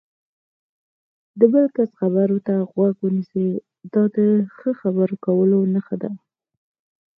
د بل کس خبرو ته غوږ ونیسئ، دا د ښه خبرو کولو نښه ده.